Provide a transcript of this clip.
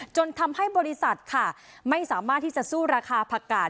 จนทำให้บริษัทค่ะไม่สามารถที่จะสู้ราคาผักกาด